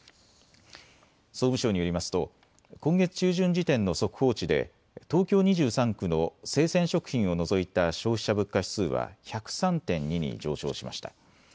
総務省によりますと今月中旬時点の速報値で東京２３区の生鮮食品を除いた消費者物価指数は１０３．２に上昇しました。